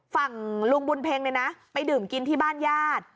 ฝั่งลุงบุญเพ็งเนี่ยนะไปดื่มกินที่บ้านญาติ